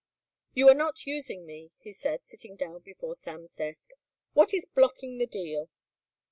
"You are not using me," he said, sitting down before Sam's desk. "What is blocking the deal?"